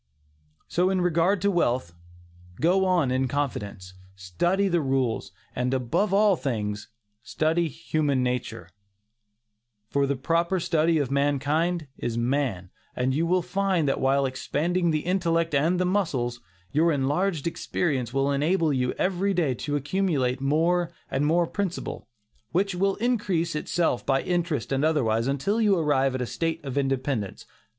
So in regard to wealth. Go on in confidence, study the rules, and above all things, study human nature; for "the proper study of mankind is man," and you will find that while expanding the intellect and the muscles, your enlarged experience will enable you every day to accumulate more and more principal, which will increase itself by interest and otherwise, until you arrive at a state of independence.